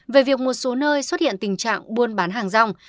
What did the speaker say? về việc một số nơi xuất hiện tình trạng buôn bán hàng rong